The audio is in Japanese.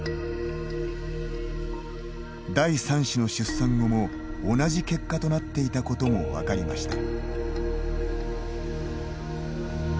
第３子の出産後も、同じ結果となっていたことも分かりました。